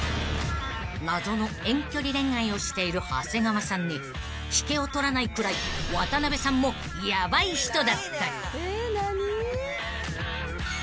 ［謎の遠距離恋愛をしている長谷川さんに引けを取らないくらい渡辺さんもヤバい人だった］